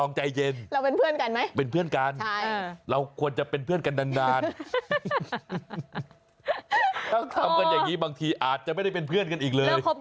นี่คือเพื่อนเดี๋ยวคุณณ